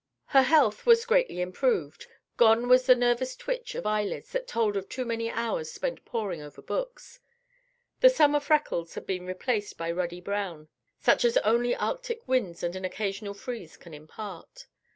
Her health was greatly improved. Gone was the nervous twitch of eyelids that told of too many hours spent pouring over books. The summer freckles had been replaced by ruddy brown, such as only Arctic winds and an occasional freeze can impart.